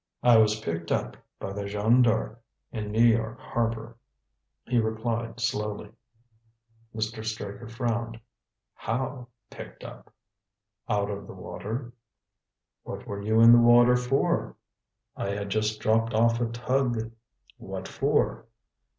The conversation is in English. "I was picked up by the Jeanne D'Arc in New York harbor," he replied slowly. Mr. Straker frowned. "How picked up?" "Out of the water." "What were you in the water for?" "I had just dropped off a tug." "What for?"